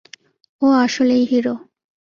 ও আসলেই হিরো।